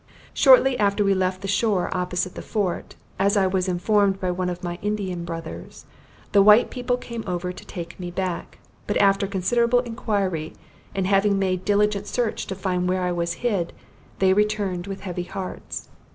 Shortly after we left the shore opposite the fort, as I was informed by one of my Indian brothers, the white people came over to take me back; but after considerable inquiry, and having made diligent search to find where I was hid, they returned with heavy hearts.